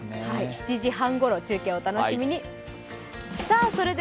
７時半ごろ中継をお楽しみに。